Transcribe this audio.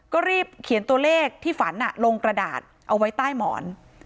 ก็รีบเขียนตัวเลขที่ฝันลงกระดาษเอาไว้ใต้หมอน